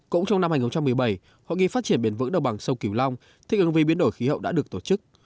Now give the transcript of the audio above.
cũng trong năm hai nghìn một mươi bảy hội nghị phát triển biển vững đầu bằng sông cửu long thịnh ứng viên biến đổi khí hậu đã được tổ chức